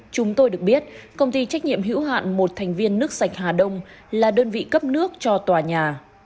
chúng tôi được biết công ty trách nhiệm hữu hạn một thành viên nước sạch hà đông là đơn vị cấp nước cho tòa nhà